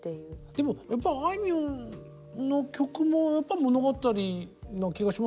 でもやっぱりあいみょんの曲もやっぱり物語な気がしますもんね。